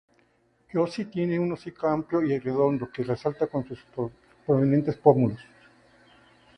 Yoshi tiene un hocico amplio y redondo que resalta con sus prominentes pómulos.